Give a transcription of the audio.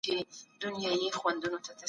دوی سوداګرو ته اسانتیاوې لټوي.